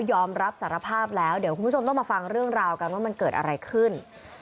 ยอมรับสารภาพแล้วเดี๋ยวคุณผู้ชมต้องมาฟังเรื่องราวกันว่ามันเกิดอะไรขึ้น